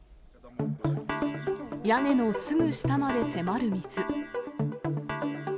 屋根のすぐ下まで迫る水。